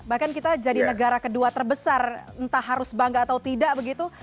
bahkan kita jadi negara kedua terbesar entah harus bangga atau tidak begitu